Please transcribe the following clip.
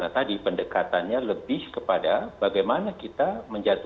tandai andai itu cacat